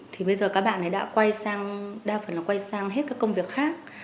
thì bây giờ các bạn ấy đã quay sang đa phần là quay sang hết cái công việc khác